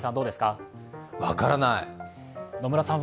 分からない。